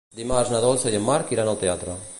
Dimarts na Dolça i en Marc iran al teatre.